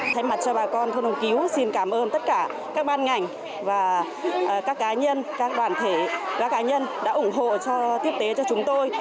thay mặt cho bà con thôn hồng cứu xin cảm ơn tất cả các ban ngành và các cá nhân các đoàn thể các cá nhân đã ủng hộ cho tiếp tế cho chúng tôi